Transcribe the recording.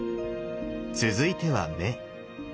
続いては目。